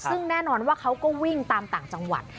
ซึ่งแน่นอนว่าเขาก็วิ่งตามต่างจังหวัด